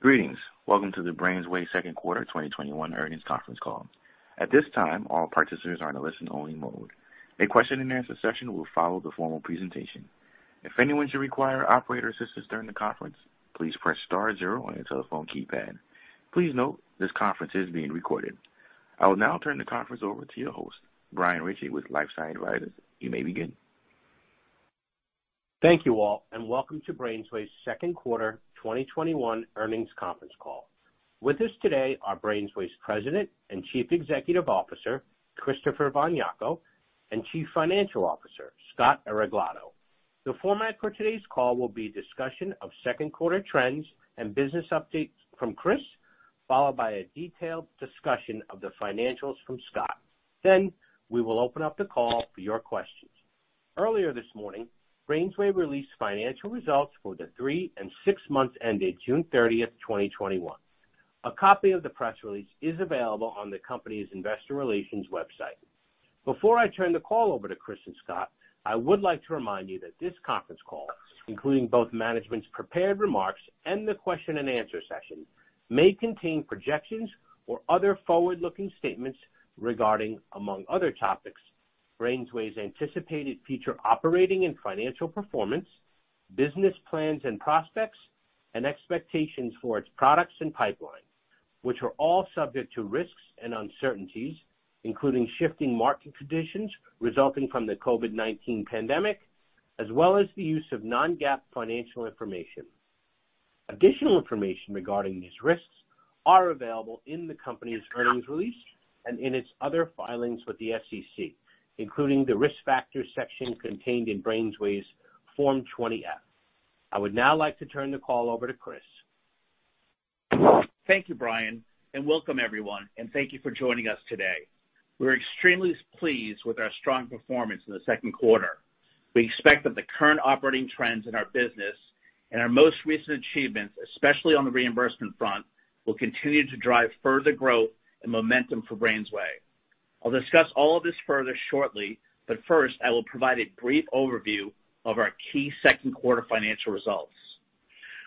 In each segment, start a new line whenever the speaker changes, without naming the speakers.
Greetings. Welcome to the BrainsWay second quarter 2021 earnings conference call. At this time, all participants are in a listen-only mode. A question and answer session will follow the formal presentation. If anyone should require operator assistance during the conference, please press star zero on your telephone keypad. Please note this conference is being recorded. I will now turn the conference over to your host, Brian Ritchie with LifeSci Advisors. You may begin.
Thank you all, and welcome to BrainsWay's second quarter 2021 earnings conference call. With us today are BrainsWay's President and Chief Executive Officer, Christopher von Jako, and Chief Financial Officer, Scott Areglado. The format for today's call will be a discussion of second quarter trends and business updates from Chris, followed by a detailed discussion of the financials from Scott. We will open up the call for your questions. Earlier this morning, BrainsWay released financial results for the three months and six months ended June 30th, 2021. A copy of the press release is available on the company's investor relations website. Before I turn the call over to Chris and Scott, I would like to remind you that this conference call, including both management's prepared remarks and the question and answer session, may contain projections or other forward-looking statements regarding, among other topics, BrainsWay's anticipated future operating and financial performance, business plans and prospects, and expectations for its products and pipeline, which are all subject to risks and uncertainties, including shifting market conditions resulting from the COVID-19 pandemic, as well as the use of non-GAAP financial information. Additional information regarding these risks are available in the company's earnings release and in its other filings with the SEC, including the Risk Factors section contained in BrainsWay's Form 20-F. I would now like to turn the call over to Chris.
Thank you, Brian, welcome everyone, thank you for joining us today. We're extremely pleased with our strong performance in the second quarter. We expect that the current operating trends in our business and our most recent achievements, especially on the reimbursement front, will continue to drive further growth and momentum for BrainsWay. I'll discuss all of this further shortly, but first, I will provide a brief overview of our key second quarter financial results.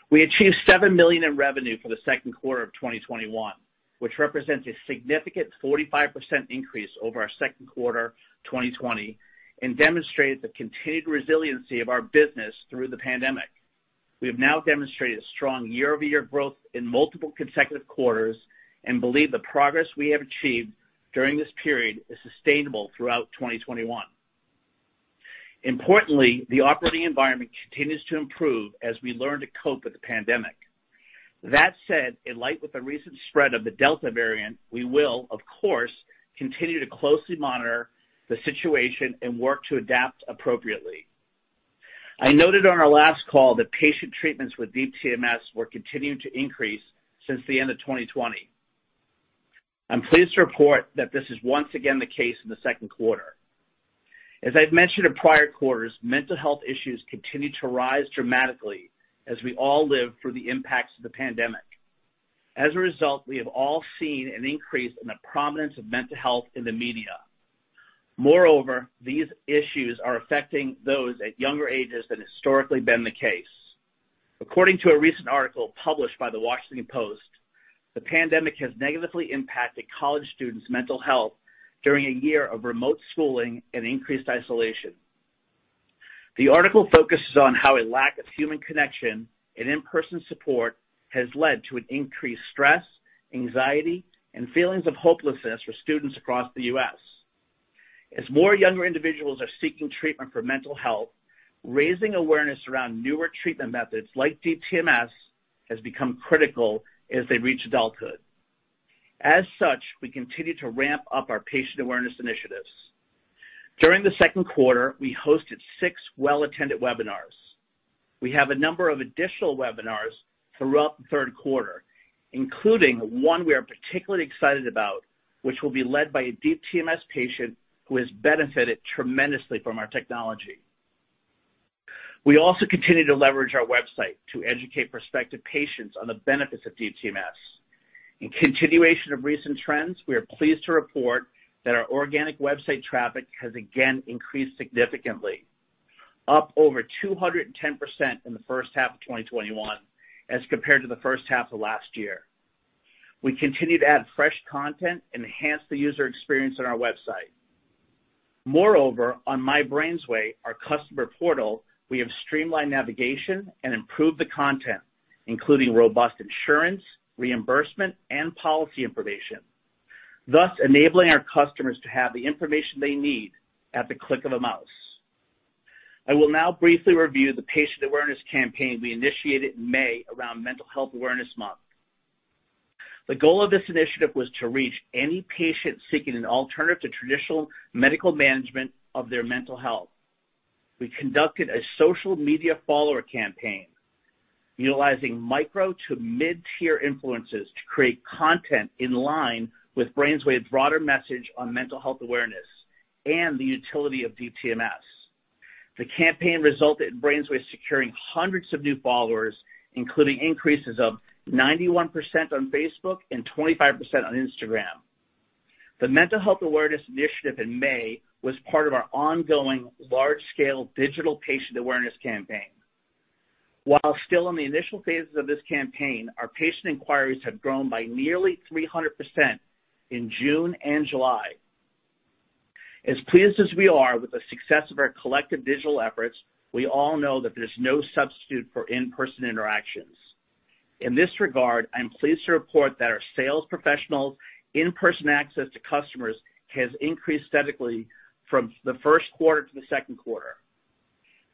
We achieved $7 million in revenue for the second quarter of 2021, which represents a significant 45% increase over our second quarter 2020 and demonstrates the continued resiliency of our business through the pandemic. We have now demonstrated a strong year-over-year growth in multiple consecutive quarters and believe the progress we have achieved during this period is sustainable throughout 2021. Importantly, the operating environment continues to improve as we learn to cope with the pandemic. That said, in light of the recent spread of the Delta variant, we will, of course, continue to closely monitor the situation and work to adapt appropriately. I noted on our last call that patient treatments with Deep TMS were continuing to increase since the end of 2020. I'm pleased to report that this is once again the case in the second quarter. As I've mentioned in prior quarters, mental health issues continue to rise dramatically as we all live through the impacts of the pandemic. As a result, we have all seen an increase in the prominence of mental health in the media. Moreover, these issues are affecting those at younger ages than historically been the case. According to a recent article published by The Washington Post, the pandemic has negatively impacted college students' mental health during a year of remote schooling and increased isolation. The article focuses on how a lack of human connection and in-person support has led to an increased stress, anxiety, and feelings of hopelessness for students across the U.S. As more younger individuals are seeking treatment for mental health, raising awareness around newer treatment methods like Deep TMS has become critical as they reach adulthood. As such, we continue to ramp up our patient awareness initiatives. During the second quarter, we hosted six well-attended webinars. We have a number of additional webinars throughout the third quarter, including one we are particularly excited about, which will be led by a Deep TMS patient who has benefited tremendously from our technology. We also continue to leverage our website to educate prospective patients on the benefits of Deep TMS. In continuation of recent trends, we are pleased to report that our organic website traffic has again increased significantly, up over 210% in the first half of 2021 as compared to the first half of last year. We continue to add fresh content and enhance the user experience on our website. Moreover, on My BrainsWay, our customer portal, we have streamlined navigation and improved the content, including robust insurance, reimbursement, and policy information, thus enabling our customers to have the information they need at the click of a mouse. I will now briefly review the patient awareness campaign we initiated in May around Mental Health Awareness Month. The goal of this initiative was to reach any patient seeking an alternative to traditional medical management of their mental health. We conducted a social media follower campaign utilizing micro to mid-tier influencers to create content in line with BrainsWay's broader message on mental health awareness and the utility of Deep TMS. The campaign resulted in BrainsWay securing hundreds of new followers, including increases of 91% on Facebook and 25% on Instagram. The Mental Health Awareness Initiative in May was part of our ongoing large-scale digital patient awareness campaign. While still in the initial phases of this campaign, our patient inquiries have grown by nearly 300% in June and July. As pleased as we are with the success of our collective digital efforts, we all know that there's no substitute for in-person interactions. In this regard, I'm pleased to report that our sales professionals' in-person access to customers has increased steadily from the first quarter to the second quarter.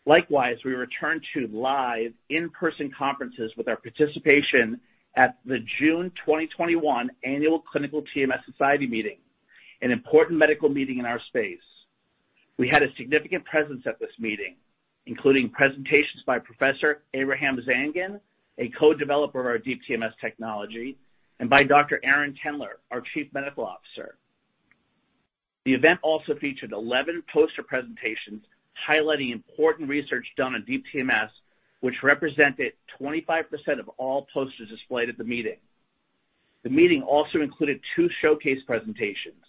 Likewise, we return to live in-person conferences with our participation at the June 2021 annual Clinical TMS Society meeting, an important medical meeting in our space. We had a significant presence at this meeting, including presentations by Professor Abraham Zangen, a co-developer of our Deep TMS technology, and by Dr. Aron Tendler, our Chief Medical Officer. The event also featured 11 poster presentations highlighting important research done on Deep TMS, which represented 25% of all posters displayed at the meeting. The meeting also included two showcase presentations.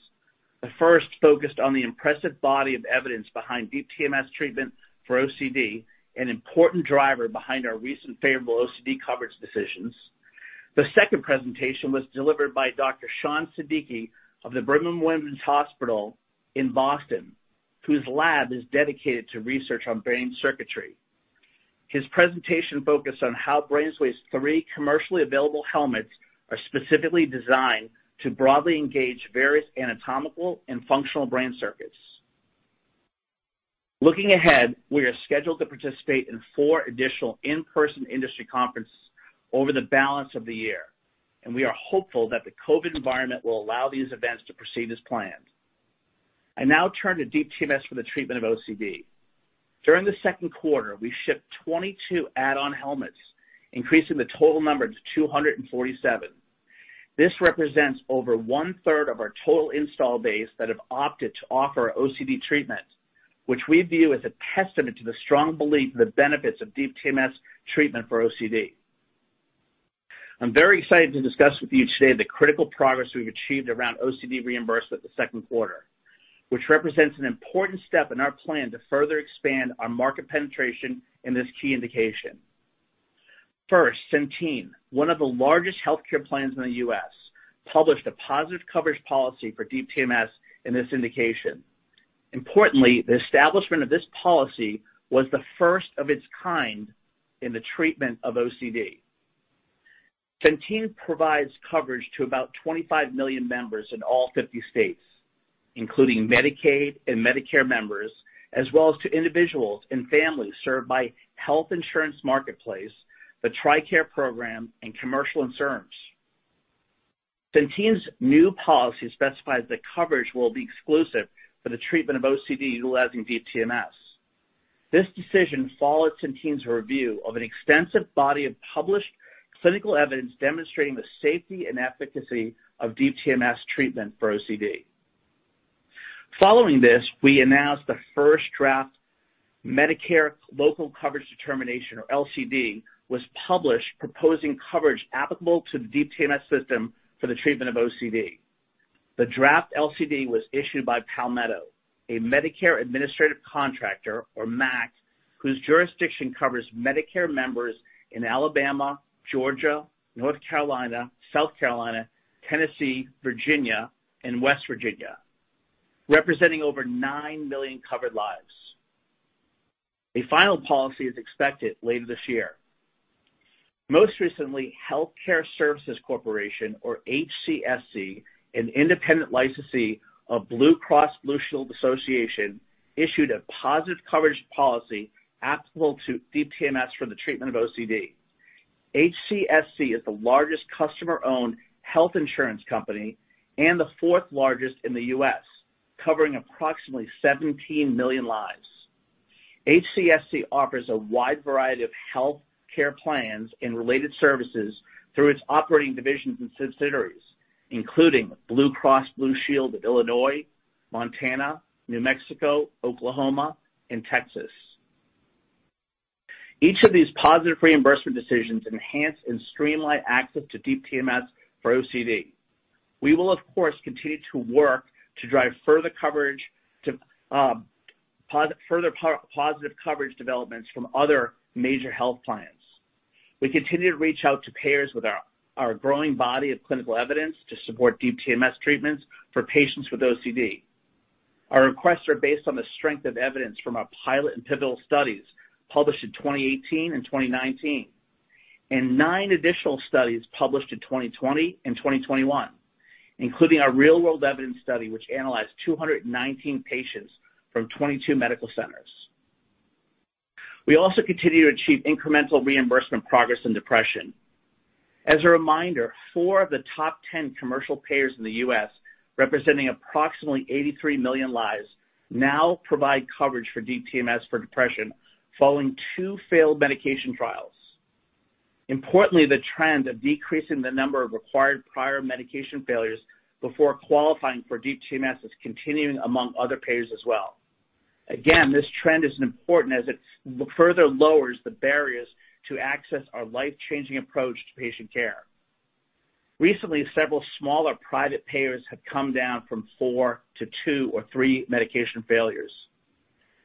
The first focused on the impressive body of evidence behind Deep TMS treatment for OCD, an important driver behind our recent favorable OCD coverage decisions. The second presentation was delivered by Dr. Shan Siddiqi of the Brigham and Women's Hospital in Boston, whose lab is dedicated to research on brain circuitry. His presentation focused on how BrainsWay's three commercially available helmets are specifically designed to broadly engage various anatomical and functional brain circuits. Looking ahead, we are scheduled to participate in four additional in-person industry conferences over the balance of the year, and we are hopeful that the COVID environment will allow these events to proceed as planned. I now turn to Deep TMS for the treatment of OCD. During the second quarter, we shipped 22 add-on helmets, increasing the total number to 247. This represents over one-third of our total install base that have opted to offer OCD treatment, which we view as a testament to the strong belief in the benefits of Deep TMS treatment for OCD. I'm very excited to discuss with you today the critical progress we've achieved around OCD reimbursement the second quarter, which represents an important step in our plan to further expand our market penetration in this key indication. First, Centene, one of the largest healthcare plans in the U.S., published a positive coverage policy for Deep TMS in this indication. Importantly, the establishment of this policy was the first of its kind in the treatment of OCD. Centene provides coverage to about 25 million members in all 50 states, including Medicaid and Medicare members, as well as to individuals and families served by Health Insurance Marketplace, the TRICARE program, and commercial insurance. Centene's new policy specifies that coverage will be exclusive for the treatment of OCD utilizing Deep TMS. This decision followed Centene's review of an extensive body of published clinical evidence demonstrating the safety and efficacy of Deep TMS treatment for OCD. Following this, we announced the first draft Medicare Local Coverage Determination, or LCD, was published proposing coverage applicable to the Deep TMS system for the treatment of OCD. The draft LCD was issued by Palmetto, a Medicare Administrative Contractor, or MAC, whose jurisdiction covers Medicare members in Alabama, Georgia, North Carolina, South Carolina, Tennessee, Virginia, and West Virginia, representing over nine million covered lives. A final policy is expected later this year. Most recently, Health Care Service Corporation, or HCSC, an independent licensee of Blue Cross Blue Shield Association, issued a positive coverage policy applicable to Deep TMS for the treatment of OCD. HCSC is the largest customer-owned health insurance company and the fourth largest in the U.S., covering approximately 17 million lives. HCSC offers a wide variety of healthcare plans and related services through its operating divisions and subsidiaries, including Blue Cross Blue Shield of Illinois, Montana, New Mexico, Oklahoma, and Texas. Each of these positive reimbursement decisions enhance and streamline access to Deep TMS for OCD. We will, of course, continue to work to drive further positive coverage developments from other major health plans. We continue to reach out to payers with our growing body of clinical evidence to support Deep TMS treatments for patients with OCD. Our requests are based on the strength of evidence from our pilot and pivotal studies published in 2018 and 2019, and nine additional studies published in 2020 and 2021, including our real-world evidence study, which analyzed 219 patients from 22 medical centers. We also continue to achieve incremental reimbursement progress in depression. As a reminder, four of the top 10 commercial payers in the U.S., representing approximately 83 million lives, now provide coverage for Deep TMS for depression following two failed medication trials. Importantly, the trend of decreasing the number of required prior medication failures before qualifying for Deep TMS is continuing among other payers as well. Again, this trend is important as it further lowers the barriers to access our life-changing approach to patient care. Recently, several smaller private payers have come down from four to two or three medication failures.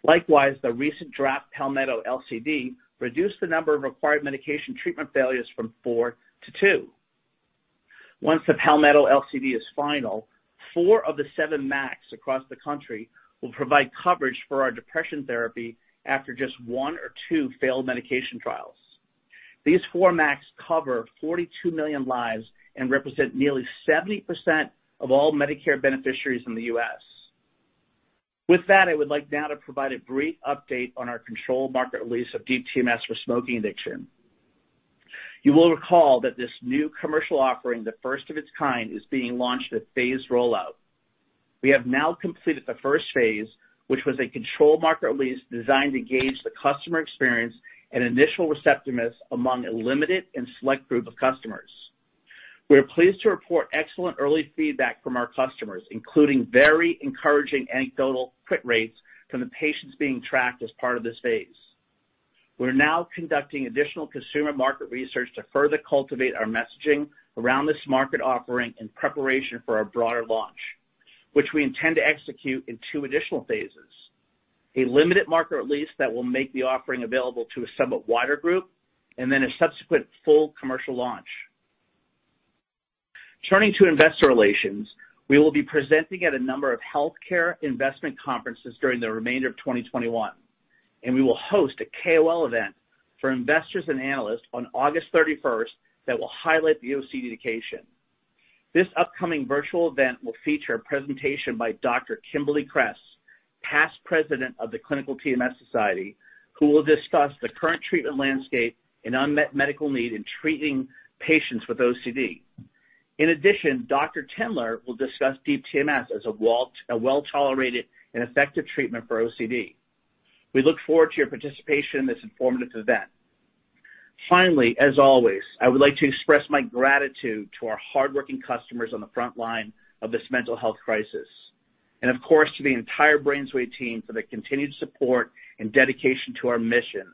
Likewise, the recent draft Palmetto LCD reduced the number of required medication treatment failures from four to two. Once the Palmetto LCD is final, four of the seven MACs across the country will provide coverage for our depression therapy after just one or two failed medication trials. These four MACs cover 42 million lives and represent nearly 70% of all Medicare beneficiaries in the U.S. With that, I would like now to provide a brief update on our control market release of Deep TMS for smoking addiction. You will recall that this new commercial offering, the first of its kind, is being launched a phased rollout. We have now completed the first phase, which was a control market release designed to gauge the customer experience and initial receptiveness among a limited and select group of customers. We are pleased to report excellent early feedback from our customers, including very encouraging anecdotal quit rates from the patients being tracked as part of this phase. We're now conducting additional consumer market research to further cultivate our messaging around this market offering in preparation for our broader launch, which we intend to execute in two additional phases. A limited market release that will make the offering available to a somewhat wider group, and then a subsequent full commercial launch. Turning to investor relations, we will be presenting at a number of healthcare investment conferences during the remainder of 2021, and we will host a KOL event for investors and analysts on August 31st that will highlight the OCD indication. This upcoming virtual event will feature a presentation by Dr. Kimberly Cress, past president of the Clinical TMS Society, who will discuss the current treatment landscape and unmet medical need in treating patients with OCD. In addition, Dr. Tendler will discuss Deep TMS as a well-tolerated and effective treatment for OCD. We look forward to your participation in this informative event. Finally, as always, I would like to express my gratitude to our hardworking customers on the front line of this mental health crisis, and of course, to the entire BrainsWay team for their continued support and dedication to our mission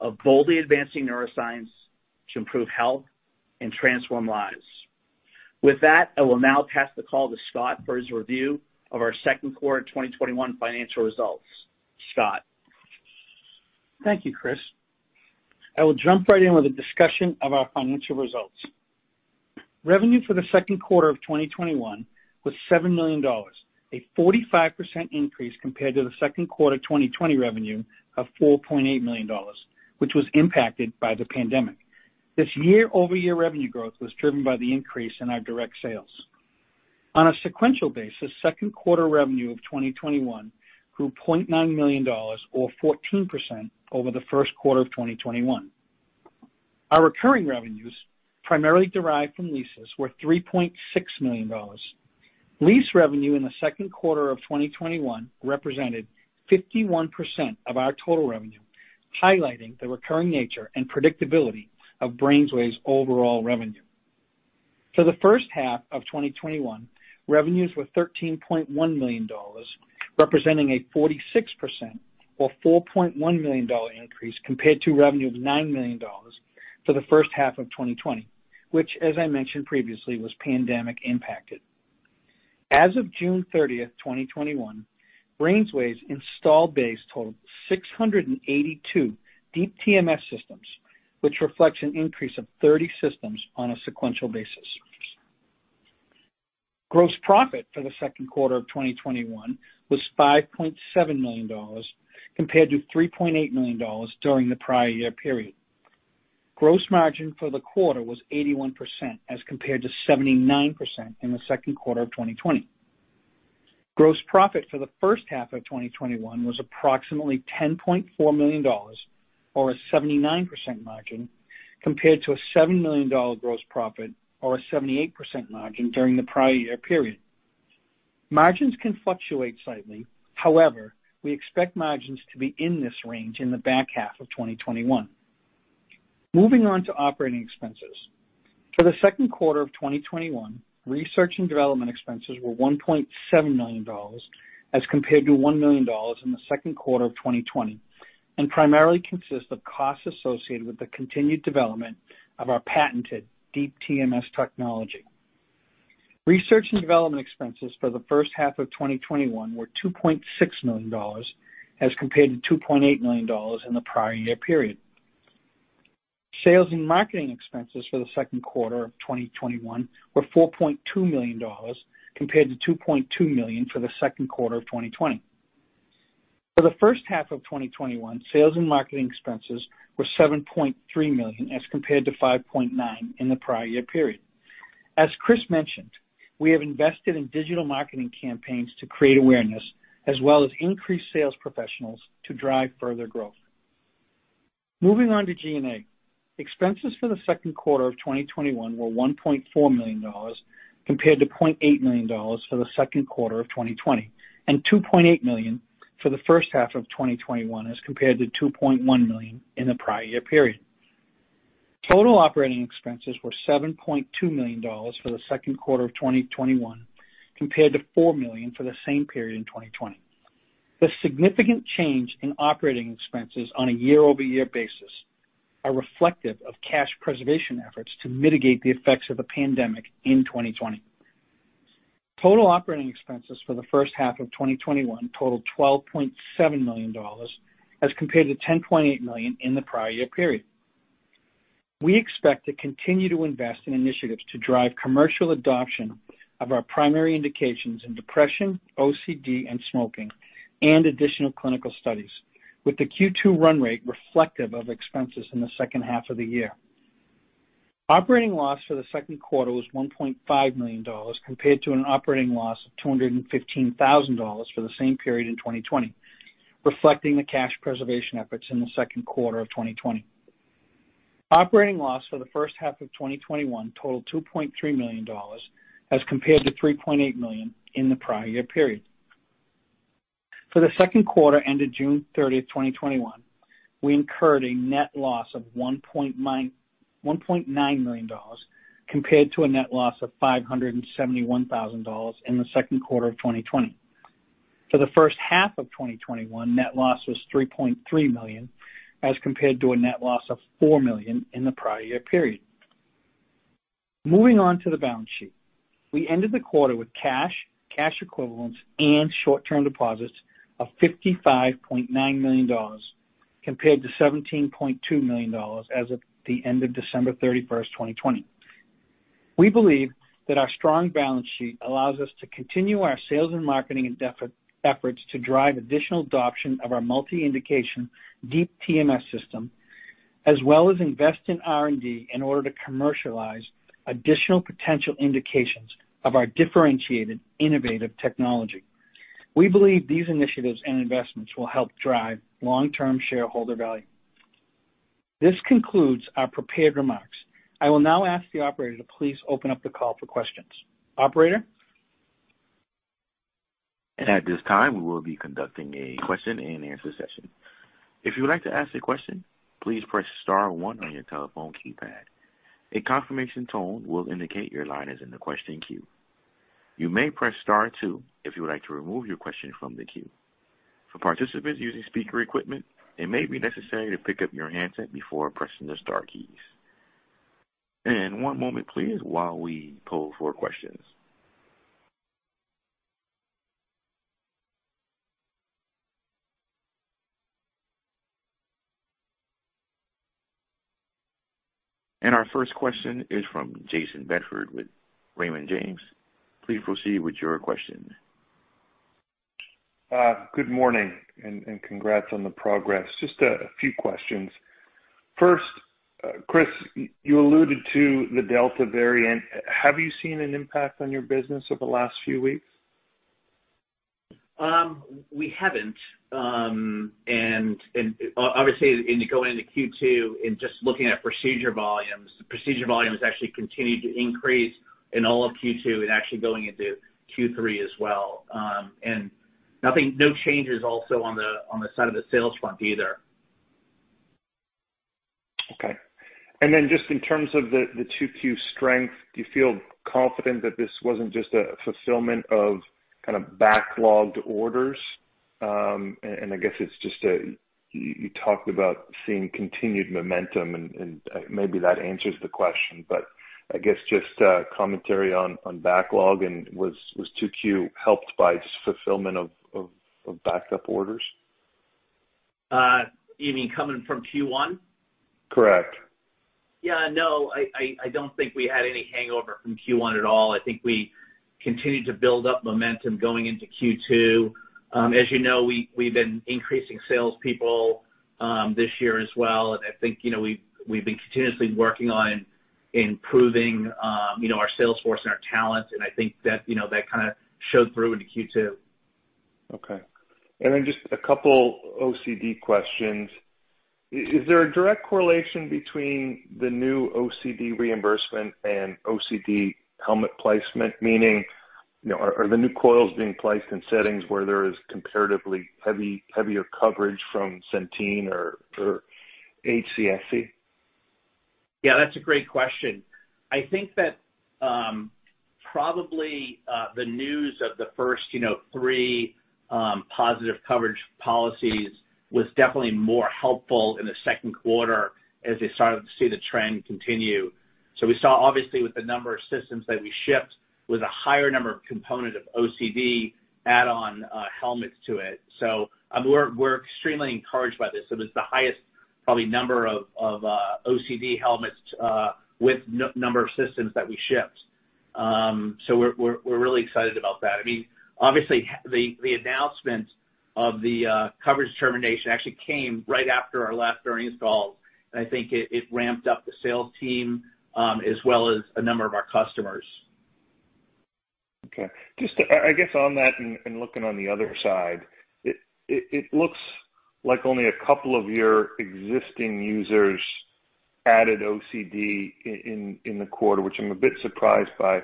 of boldly advancing neuroscience to improve health and transform lives. With that, I will now pass the call to Scott for his review of our second quarter 2021 financial results. Scott?
Thank you, Chris. I will jump right in with a discussion of our financial results. Revenue for the second quarter of 2021 was $7 million, a 45% increase compared to the second quarter 2020 revenue of $4.8 million, which was impacted by the pandemic. This year-over-year revenue growth was driven by the increase in our direct sales. On a sequential basis, second quarter revenue of 2021 grew $0.9 million or 14% over the first quarter 2021. Our recurring revenues, primarily derived from leases, were $3.6 million. Lease revenue in the second quarter of 2021 represented 51% of our total revenue, highlighting the recurring nature and predictability of BrainsWay's overall revenue. For the first half of 2021, revenues were $13.1 million, representing a 46% or $4.1 million increase compared to revenue of $9 million for the first half of 2020, which, as I mentioned previously, was pandemic impacted. As of June 30th, 2021, BrainsWay's install base totaled 682 Deep TMS systems, which reflects an increase of 30 systems on a sequential basis. Gross profit for the second quarter of 2021 was $5.7 million compared to $3.8 million during the prior year period. Gross margin for the quarter was 81% as compared to 79% in the second quarter of 2020. Gross profit for the first half of 2021 was approximately $10.4 million or a 79% margin compared to a $7 million gross profit or a 78% margin during the prior year period. Margins can fluctuate slightly. However, we expect margins to be in this range in the back half of 2021. Moving on to operating expenses. For the second quarter of 2021, research and development expenses were $1.7 million as compared to $1 million in the second quarter of 2020, and primarily consist of costs associated with the continued development of our patented Deep TMS technology. Research and development expenses for the first half of 2021 were $2.6 million as compared to $2.8 million in the prior year period. Sales and marketing expenses for the second quarter of 2021 were $4.2 million compared to $2.2 million for the second quarter of 2020. For the first half of 2021, sales and marketing expenses were $7.3 million as compared to $5.9 million in the prior year period. As Chris mentioned, we have invested in digital marketing campaigns to create awareness as well as increased sales professionals to drive further growth. Moving on to G&A. Expenses for the second quarter of 2021 were $1.4 million compared to $0.8 million for the second quarter of 2020, and $2.8 million for the first half of 2021 as compared to $2.1 million in the prior year period. Total operating expenses were $7.2 million for the second quarter of 2021, compared to $4 million for the same period in 2020. The significant change in operating expenses on a year-over-year basis are reflective of cash preservation efforts to mitigate the effects of the pandemic in 2020. Total operating expenses for the first half of 2021 totaled $12.7 million, as compared to $10.8 million in the prior year period. We expect to continue to invest in initiatives to drive commercial adoption of our primary indications in depression, OCD, and smoking, and additional clinical studies, with the Q2 run rate reflective of expenses in the second half of the year. Operating loss for the second quarter was $1.5 million, compared to an operating loss of $215,000 for the same period in 2020, reflecting the cash preservation efforts in the second quarter of 2020. Operating loss for the first half of 2021 totaled $2.3 million, as compared to $3.8 million in the prior year period. For the second quarter ended June 30, 2021, we incurred a net loss of $1.9 million, compared to a net loss of $571,000 in the second quarter of 2020. For the first half of 2021, net loss was $3.3 million, as compared to a net loss of $4 million in the prior year period. Moving on to the balance sheet. We ended the quarter with cash, cash equivalents, and short-term deposits of $55.9 million, compared to $17.2 million as of the end of December 31st, 2020. We believe that our strong balance sheet allows us to continue our sales and marketing efforts to drive additional adoption of our multi-indication Deep TMS system, as well as invest in R&D in order to commercialize additional potential indications of our differentiated innovative technology. We believe these initiatives and investments will help drive long-term shareholder value. This concludes our prepared remarks. I will now ask the operator to please open up the call for questions. Operator?
At this time, we will be conducting a question-and-answer session. If you would like to ask a question, please press star one on your telephone keypad. A confirmation tone will indicate your line is in the question queue. You may press star two if you would like to remove your question from the queue. For participants using speaker equipment, it may be necessary to pick up your handset before pressing the star keys. One moment, please, while we poll for questions. Our first question is from Jayson Bedford with Raymond James. Please proceed with your question.
Good morning. Congrats on the progress. Just a few questions. First, Chris, you alluded to the Delta variant. Have you seen an impact on your business over the last few weeks?
We haven't. Obviously, going into Q2 and just looking at procedure volumes, procedure volumes actually continued to increase in all of Q2 and actually going into Q3 as well. No changes also on the side of the sales front either.
Okay. Then just in terms of the 2Q strength, do you feel confident that this wasn't just a fulfillment of backlogged orders? I guess it's just you talked about seeing continued momentum, and maybe that answers the question, but I guess just commentary on backlog and was 2Q helped by fulfillment of backup orders?
You mean coming from Q1?
Correct.
Yeah, no. I don't think we had any hangover from Q1 at all. I think we continued to build up momentum going into Q2. As you know, we've been increasing sales people this year as well, and I think we've been continuously working on improving our sales force and our talent, and I think that kind of showed through into Q2.
Okay. Just a couple OCD questions. Is there a direct correlation between the new OCD reimbursement and OCD helmet placement? Meaning, are the new coils being placed in settings where there is comparatively heavier coverage from Centene or HCSC?
Yeah, that's a great question. I think that probably the news of the first three positive coverage policies was definitely more helpful in the second quarter as they started to see the trend continue. We saw obviously with the number of systems that we shipped with a higher number of component of OCD add-on helmets to it. We're extremely encouraged by this. It's the highest probably number of OCD helmets with number of systems that we shipped. We're really excited about that. Obviously, the announcement of the coverage determination actually came right after our last earnings call, and I think it ramped up the sales team as well as a number of our customers.
Okay. I guess on that and looking on the other side, it looks like only a couple of your existing users added OCD in the quarter, which I'm a bit surprised by.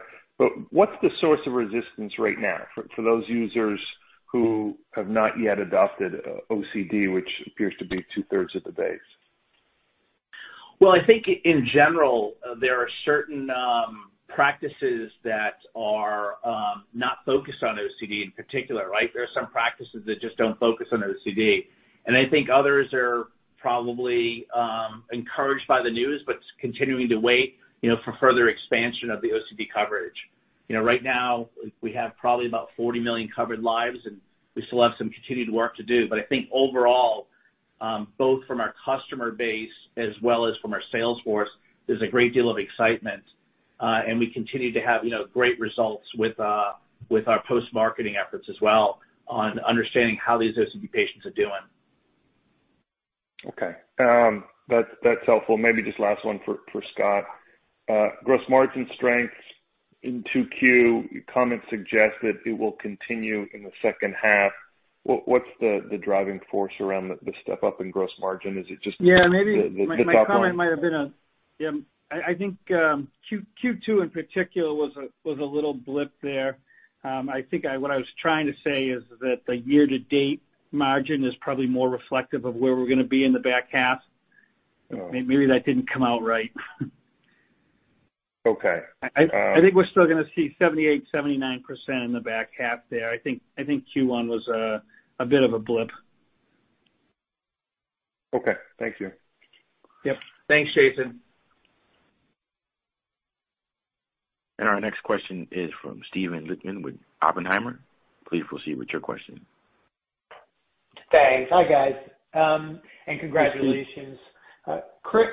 What's the source of resistance right now for those users who have not yet adopted OCD, which appears to be two-thirds of the base?
Well, I think in general, there are certain practices that are not focused on OCD in particular, right? There are some practices that just don't focus on OCD, and I think others are probably encouraged by the news, but continuing to wait for further expansion of the OCD coverage. Right now, we have probably about 40 million covered lives, and we still have some continued work to do. I think overall, both from our customer base as well as from our sales force, there's a great deal of excitement. We continue to have great results with our post-marketing efforts as well on understanding how these OCD patients are doing.
That's helpful. Maybe just last one for Scott. Gross margin strength in 2Q, your comments suggest that it will continue in the second half. What's the driving force around the step-up in gross margin? Is it just the top line?
Yeah, I think Q2 in particular was a little blip there. I think what I was trying to say is that the year-to-date margin is probably more reflective of where we're going to be in the back half.
Oh.
Maybe that didn't come out right.
Okay.
I think we're still going to see 78%, 79% in the back half there. I think Q1 was a bit of a blip.
Okay. Thank you.
Yep. Thanks, Jayson.
Our next question is from Steven Lichtman with Oppenheimer. Please proceed with your question.
Thanks. Hi, guys. Congratulations. Chris,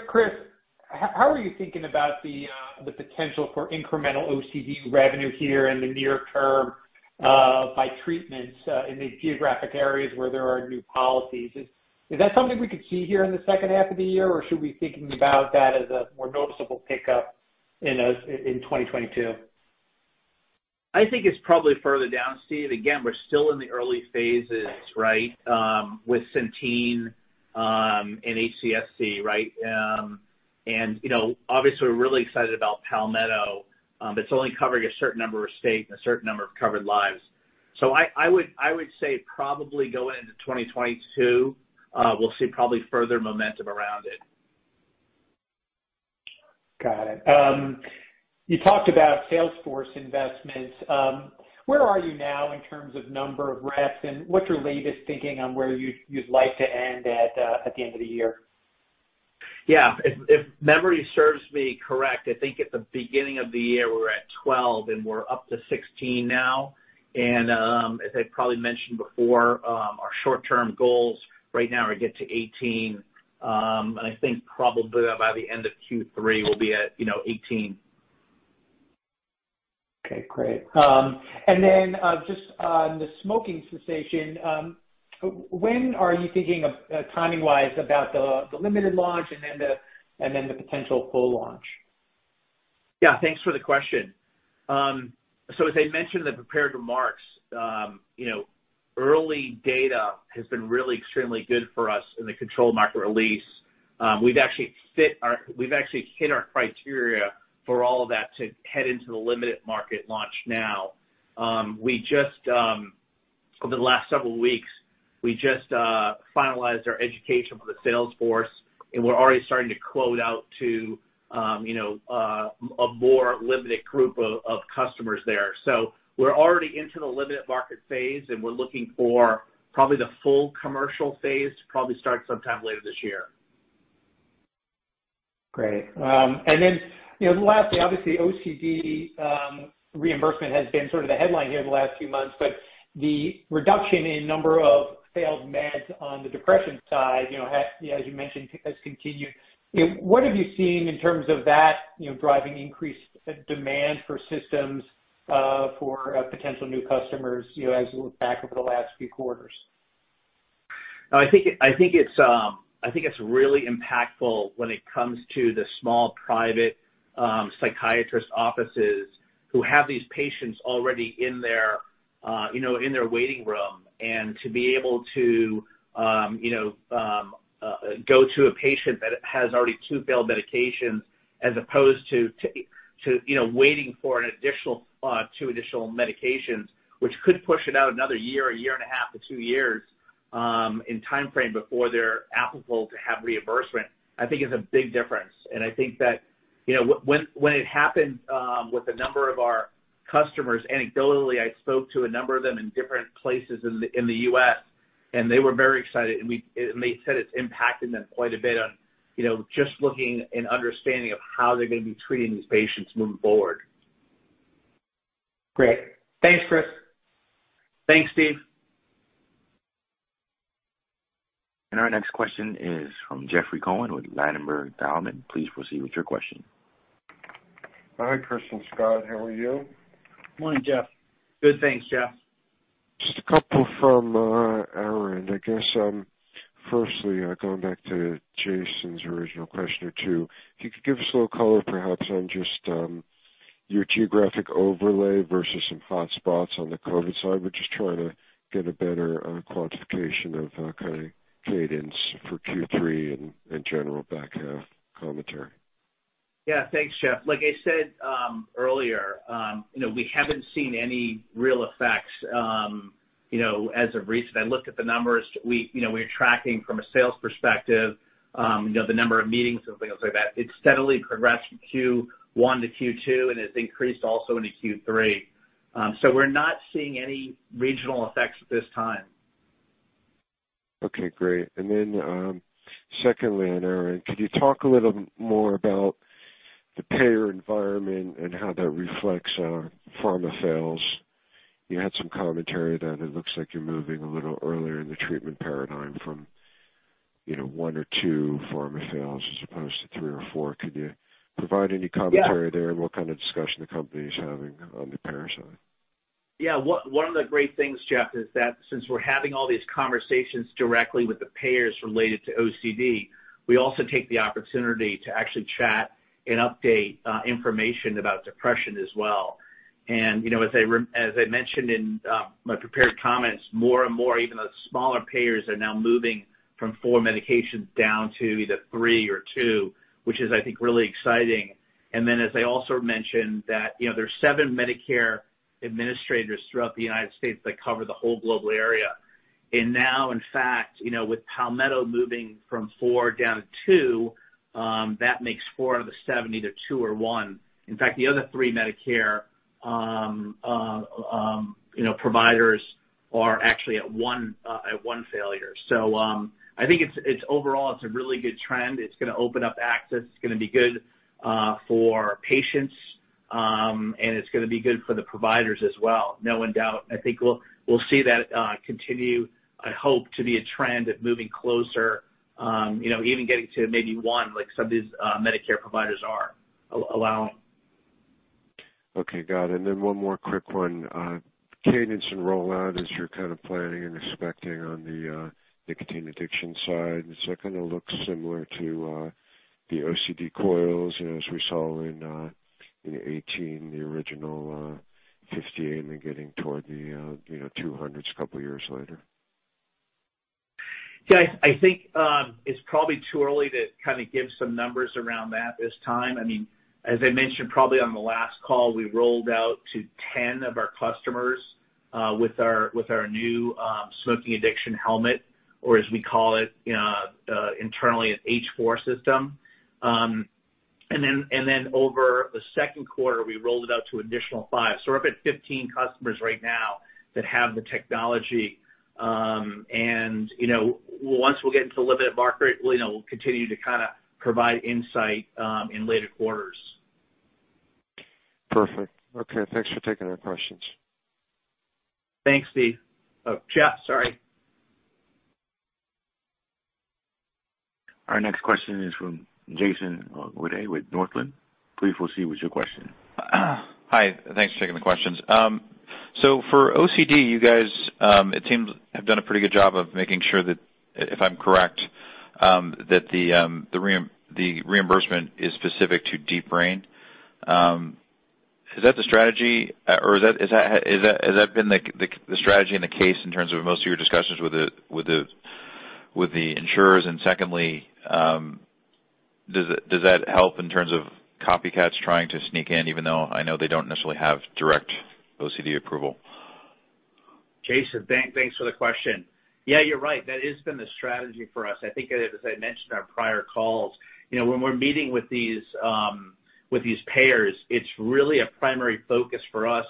how are you thinking about the potential for incremental OCD revenue here in the near term by treatments in these geographic areas where there are new policies? Is that something we could see here in the second half of the year, or should we be thinking about that as a more noticeable pickup in 2022?
I think it's probably further down, Steve. Again, we're still in the early phases, right, with Centene and HCSC, right. Obviously, we're really excited about Palmetto. It's only covering a certain number of states and a certain number of covered lives. I would say probably go into 2022, we'll see probably further momentum around it.
Got it. You talked about sales force investments. Where are you now in terms of number of reps, and what's your latest thinking on where you'd like to end at the end of the year?
Yeah. If memory serves me correct, I think at the beginning of the year, we were at 12, and we're up to 16 now. As I probably mentioned before, our short-term goals right now are to get to 18. I think probably by the end of Q3, we'll be at 18.
Okay, great. Then just on the smoking cessation, when are you thinking of timing-wise about the limited launch and then the potential full launch?
Yeah, thanks for the question. As I mentioned in the prepared remarks, early data has been really extremely good for us in the controlled market release. We've actually hit our criteria for all of that to head into the limited market launch now. We just, over the last several weeks, we just finalized our education for the sales force, and we're already starting to quote out to a more limited group of customers there. We're already into the limited market phase, and we're looking for probably the full commercial phase to probably start sometime later this year.
Great. Then lastly, obviously, OCD reimbursement has been sort of the headline here the last few months, but the reduction in number of failed meds on the depression side, as you mentioned, has continued. What have you seen in terms of that driving increased demand for systems for potential new customers as we look back over the last few quarters?
I think it's really impactful when it comes to the small private psychiatrist offices who have these patients already in their waiting room. To be able to go to a patient that has already two failed medications as opposed to waiting for two additional medications, which could push it out another year, 1.5 to two years in timeframe before they're applicable to have reimbursement, I think is a big difference. I think that when it happened with a number of our customers, anecdotally, I spoke to a number of them in different places in the U.S., and they were very excited, and they said it's impacted them quite a bit on just looking and understanding of how they're going to be treating these patients moving forward.
Great. Thanks, Chris.
Thanks, Steve.
Our next question is from Jeffrey Cohen with Ladenburg Thalmann. Please proceed with your question.
Hi, Chris and Scott. How are you?
Morning, Jeff.
Good, thanks, Jeff.
Just a couple from our end. I guess firstly, going back to Jayson's original question or two, if you could give us a little color perhaps on just your geographic overlay versus some hot spots on the COVID-19 side. We're just trying to get a better quantification of kind of cadence for Q3 and general back half commentary.
Yeah. Thanks, Jeff. Like I said earlier, we haven't seen any real effects as of recent. I looked at the numbers. We're tracking from a sales perspective, the number of meetings and things like that. It steadily progressed from Q1 to Q2, and it's increased also into Q3. We're not seeing any regional effects at this time.
Okay, great. Then secondly, on Aron, could you talk a little more about the payer environment and how that reflects on pharma fails? You had some commentary that it looks like you're moving a little earlier in the treatment paradigm from one or two pharma fails as opposed to three or four. Could you provide any commentary there?
Yeah.
And what kind of discussion the company is having on the payer side?
Yeah. One of the great things, Jeff, is that since we're having all these conversations directly with the payers related to OCD, we also take the opportunity to actually chat and update information about depression as well. As I mentioned in my prepared comments, more and more, even the smaller payers are now moving from four medications down to either three or two, which is, I think, really exciting. As I also mentioned that there's seven Medicare administrators throughout the U.S. that cover the whole global area. Now, in fact, with Palmetto moving from four down to two, that makes four of the seven, either two or one. In fact, the other three Medicare providers are actually at one failure. I think overall, it's a really good trend. It's going to open up access. It's going to be good for patients. It's going to be good for the providers as well, no doubt. I think we'll see that continue, I hope, to be a trend of moving closer, even getting to maybe one, like some of these Medicare providers are allowing.
Okay, got it. One more quick one. Cadence and rollout as you're kind of planning and expecting on the nicotine addiction side. Does that kind of look similar to the OCD coils as we saw in 2018, the original 58 and then getting toward the 200s a couple of years later?
Yeah. I think it's probably too early to kind of give some numbers around that this time. As I mentioned, probably on the last call, we rolled out to 10 of our customers with our new smoking addiction helmet, or as we call it internally, an H4 system. Then over the second quarter, we rolled it out to an additional five. We're up at 15 customers right now that have the technology. Once we get into a little bit of market, we'll continue to kind of provide insight in later quarters.
Perfect. Okay. Thanks for taking the questions.
Thanks, Steve. Oh, Jeff. Sorry.
Our next question is from Jason Wittes with Northland. Please proceed with your question.
Hi. Thanks for taking the questions. For OCD, you guys, it seems, have done a pretty good job of making sure that, if I'm correct, that the reimbursement is specific to Deep Brain. Is that the strategy, or has that been the strategy and the case in terms of most of your discussions with the insurers? Secondly, does that help in terms of copycats trying to sneak in, even though I know they don't necessarily have direct OCD approval?
Jason, thanks for the question. Yeah, you're right. That has been the strategy for us. I think as I mentioned on prior calls, when we're meeting with these payers, it's really a primary focus for us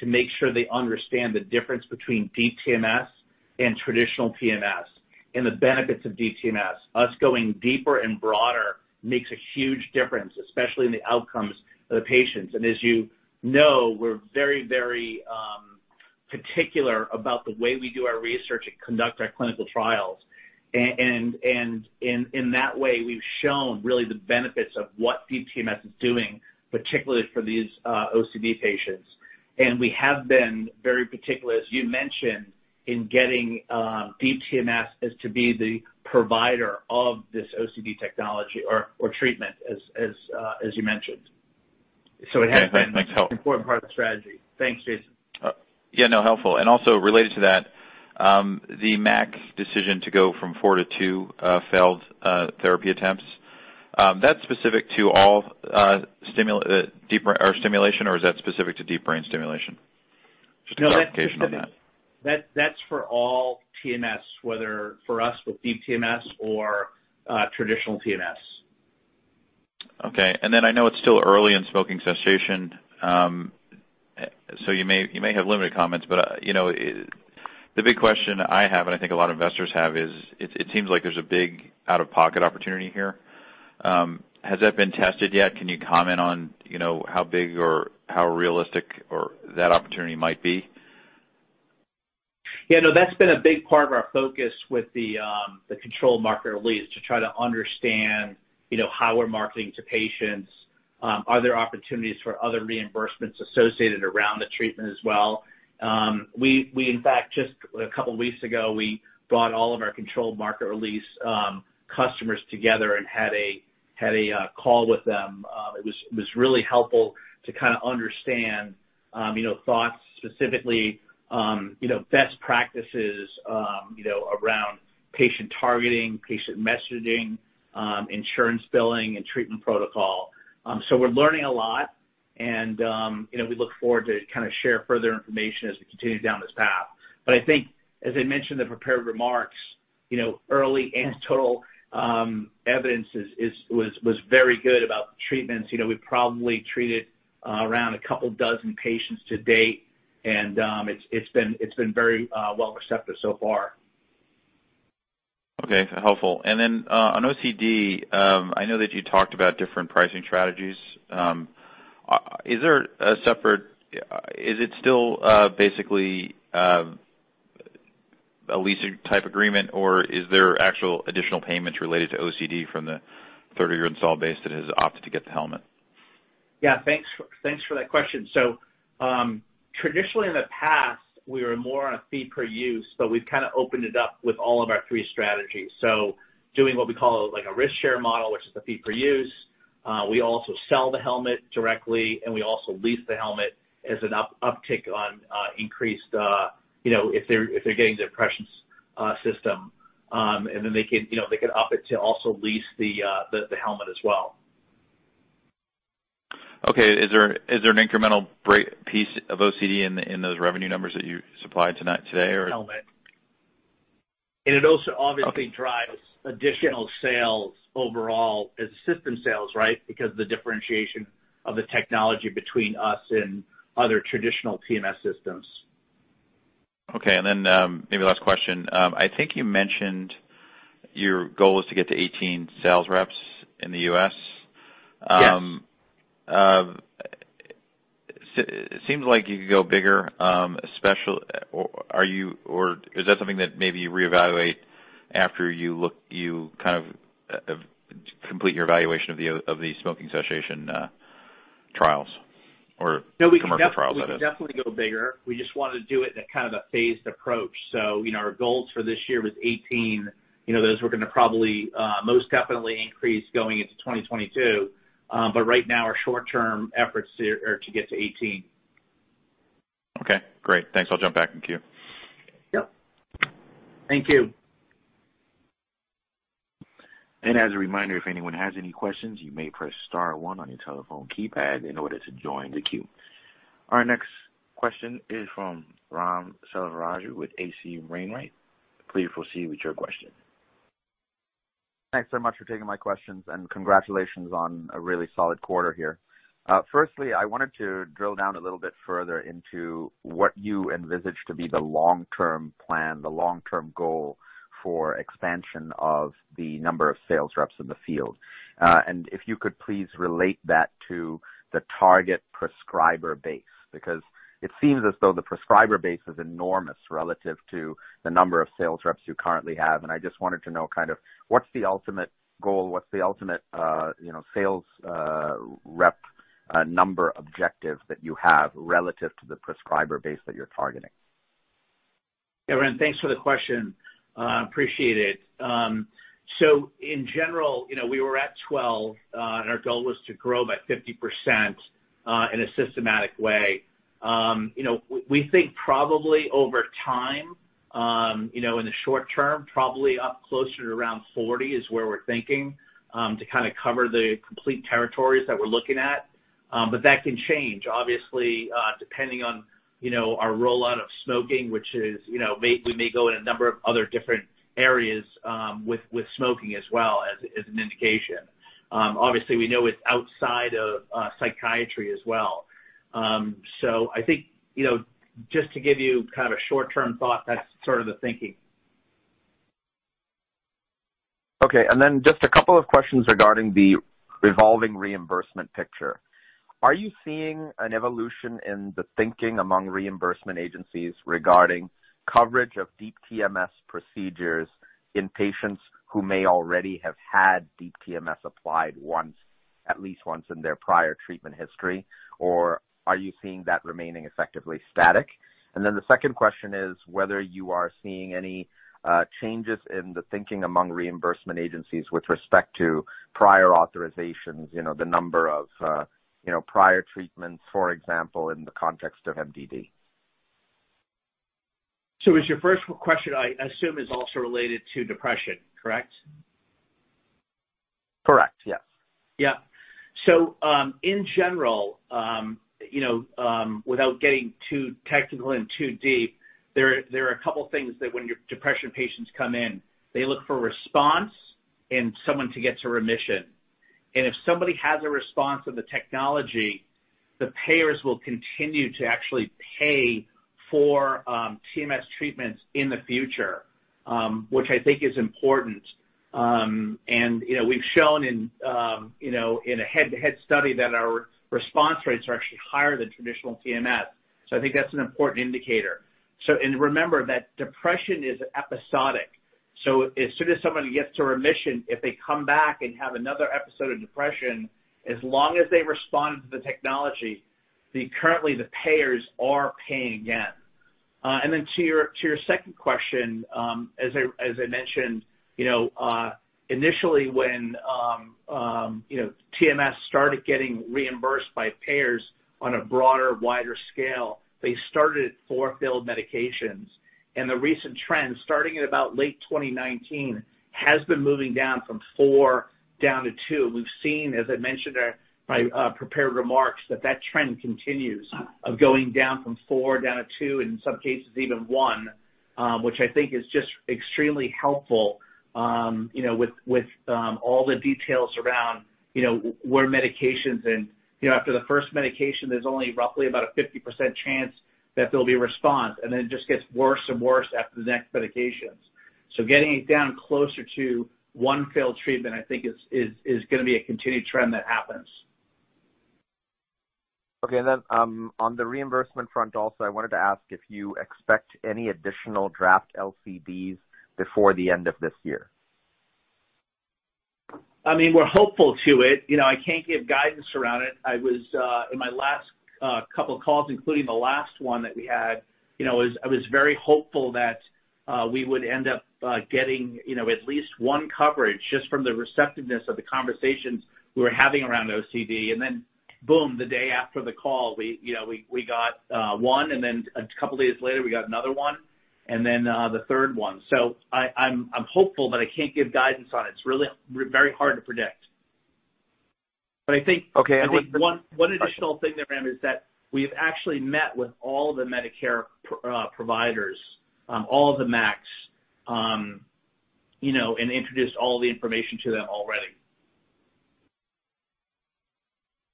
to make sure they understand the difference between DTMS and traditional TMS, and the benefits of DTMS. Us going deeper and broader makes a huge difference, especially in the outcomes of the patients. As you know, we're very, very particular about the way we do our research and conduct our clinical trials. In that way, we've shown really the benefits of what DTMS is doing, particularly for these OCD patients. We have been very particular, as you mentioned, in getting DTMS as to be the provider of this OCD technology or treatment, as you mentioned.
Okay. Thanks. Helpful.
An important part of the strategy. Thanks, Jason.
No, helpful. Also related to that, the MAC decision to go from four to two failed therapy attempts, that's specific to all stimulation, or is that specific to Deep Brain stimulation? Just a clarification on that.
No, that's for all TMS, whether for us with Deep TMS or traditional TMS.
Okay. Then, I know it's still early in smoking cessation, so you may have limited comments. The big question I have, and I think a lot of investors have is, it seems like there's a big out-of-pocket opportunity here. Has that been tested yet? Can you comment on how big or how realistic that opportunity might be?
Yeah, no, that's been a big part of our focus with the controlled market release to try to understand how we're marketing to patients. Are there opportunities for other reimbursements associated around the treatment as well? We, in fact, just a couple of weeks ago, we brought all of our controlled market release customers together and had a call with them. It was really helpful to kind of understand thoughts specifically, best practices around patient targeting, patient messaging, insurance billing, and treatment protocol. We're learning a lot. We look forward to share further information as we continue down this path. I think as I mentioned in the prepared remarks, early anecdotal evidence was very good about the treatments. We've probably treated around a couple dozen patients to date, and it's been very well accepted so far.
Okay. Helpful. Then, on OCD, I know that you talked about different pricing strategies. Is it still basically a leasing type agreement, or is there actual additional payments related to OCD from the third-year install base that has opted to get the helmet?
Yeah, thanks for that question. Traditionally in the past, we were more on a fee per use, but we've kind of opened it up with all of our three strategies. Doing what we call a risk-share model, which is a fee for use. We also sell the helmet directly, and we also lease the helmet as an uptick on increased, if they're getting the depressions system. Then they could up it to also lease the helmet as well.
Okay. Is there an incremental piece of OCD in those revenue numbers that you supplied today?
Helmet. It also obviously drives additional sales overall as system sales, right, because the differentiation of the technology between us and other traditional TMS systems.
Okay. Then, maybe last question. I think you mentioned your goal is to get to 18 sales reps in the U.S.
Yes.
It seems like you could go bigger. Is that something that maybe you reevaluate after you have complete your evaluation of the smoking cessation trials or commercial trials, I guess?
No, we can definitely go bigger. We just wanted to do it in a phased approach. Our goals for this year was 18. Those we're going to most definitely increase going into 2022. Right now, our short-term efforts are to get to 18.
Okay, great. Thanks. I'll jump back in queue.
Yep. Thank you.
As a reminder, if anyone has any questions, you may press star one on your telephone keypad in order to join the queue. Our next question is from Ram Selvaraju with H.C. Wainwright. Please proceed with your question.
Thanks so much for taking my questions, and congratulations on a really solid quarter here. Firstly, I wanted to drill down a little bit further into what you envisage to be the long-term plan, the long-term goal for expansion of the number of sales reps in the field. If you could please relate that to the target prescriber base, because it seems as though the prescriber base is enormous relative to the number of sales reps you currently have. I just wanted to know kind of what's the ultimate goal? What's the ultimate sales rep number objective that you have relative to the prescriber base that you're targeting?
Yeah, Ram, thanks for the question. Appreciate it. In general, we were at 12, and our goal was to grow by 50% in a systematic way. We think probably over time, in the short term, probably up closer to around 40 is where we're thinking, to kind of cover the complete territories that we're looking at. That can change, obviously, depending on our rollout of smoking, which is we may go in a number of other different areas with smoking as well as an indication. Obviously, we know it's outside of psychiatry as well. I think just to give you kind of a short-term thought, that's sort of the thinking.
Okay. Just a couple of questions regarding the revolving reimbursement picture. Are you seeing an evolution in the thinking among reimbursement agencies regarding coverage of Deep TMS procedures in patients who may already have had Deep TMS applied at least once in their prior treatment history? Or are you seeing that remaining effectively static? Then, the second question is whether you are seeing any changes in the thinking among reimbursement agencies with respect to prior authorizations, the number of prior treatments, for example, in the context of MDD.
Is your first question, I assume, is also related to depression, correct?
Correct. Yes.
Yeah. In general, without getting too technical and too deep, there are a couple of things that when your depression patients come in, they look for response and someone to get to remission. If somebody has a response to the technology, the payers will continue to actually pay for TMS treatments in the future, which I think is important. We've shown in a head-to-head study that our response rates are actually higher than traditional TMS. I think that's an important indicator. Remember that depression is episodic. As soon as somebody gets to remission, if they come back and have another episode of depression, as long as they respond to the technology, currently the payers are paying again. To your second question, as I mentioned, initially when TMS started getting reimbursed by payers on a broader, wider scale, they started at four failed medications. The recent trend, starting in about late 2019, has been moving down from four down to two. We've seen, as I mentioned in my prepared remarks, that trend continues of going down from four down to two, in some cases even one, which I think is just extremely helpful, with all the details around were medications. After the first medication, there's only roughly about a 50% chance that there'll be a response, and then it just gets worse and worse after the next medications. Getting it down closer to one failed treatment, I think is going to be a continued trend that happens.
Okay. Then on the reimbursement front also, I wanted to ask if you expect any additional draft LCDs before the end of this year.
We're hopeful to it. I can't give guidance around it. In my last couple of calls, including the last one that we had, I was very hopeful that we would end up getting at least one coverage just from the receptiveness of the conversations we were having around OCD. Boom, the day after the call, we got one, and then a couple of days later we got another one, and then the third one. I'm hopeful, but I can't give guidance on it. It's really very hard to predict.
Okay.
One additional thing there, Ram, is that we've actually met with all the Medicare providers, all the MACs, and introduced all the information to them already.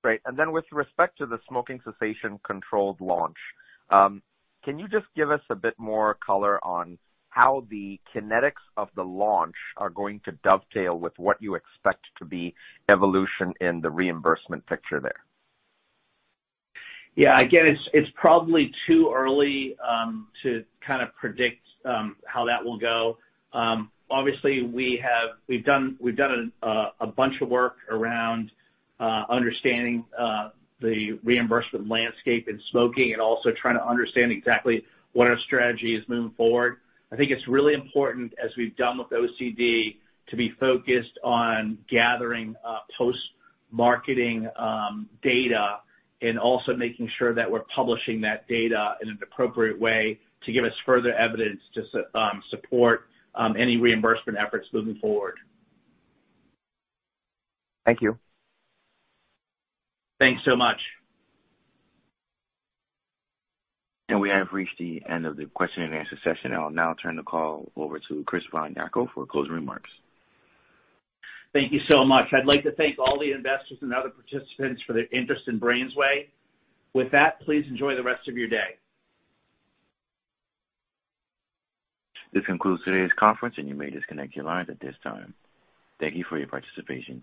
Great. With respect to the smoking cessation controlled launch, can you just give us a bit more color on how the kinetics of the launch are going to dovetail with what you expect to be evolution in the reimbursement picture there?
Yeah. Again, it's probably too early to kind of predict how that will go. Obviously we've done a bunch of work around understanding the reimbursement landscape in smoking and also trying to understand exactly what our strategy is moving forward. I think it's really important, as we've done with OCD, to be focused on gathering post-marketing data and also making sure that we're publishing that data in an appropriate way to give us further evidence to support any reimbursement efforts moving forward.
Thank you.
Thanks so much.
We have reached the end of the question-and-answer session. I will now turn the call over to Chris von Jako for closing remarks.
Thank you so much. I'd like to thank all the investors and other participants for their interest in BrainsWay. With that, please enjoy the rest of your day.
This concludes today's conference, and you may disconnect your lines at this time. Thank you for your participation.